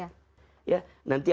nanti ada sebuah kekuatan